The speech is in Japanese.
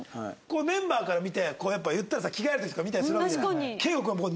メンバーから見てやっぱ言ったらさ着替える時とか見たりするわけじゃない。